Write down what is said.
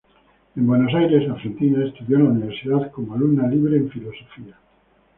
En Buenos Aires, Argentina estudió en la Universidad como alumna libre en Filosofía.